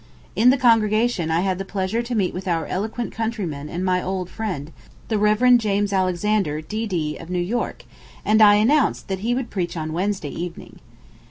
In the congregation I had the pleasure to meet with our eloquent countryman and my old friend, the Rev. James Alexander, D.D., of New York, and I announced that he would preach on Wednesday evening.